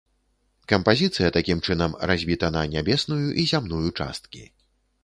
Кампазіцыя такім чынам разбіта на нябесную і зямную часткі.